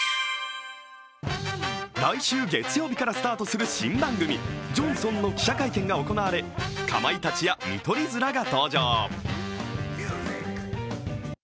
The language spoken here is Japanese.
来週月曜日からスタートする新番組「ジョンソン」の記者会見が行われかまいたちや見取り図らが登場。